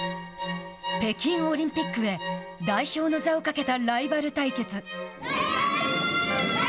北京オリンピックへ代表の座をかけたライバル対決。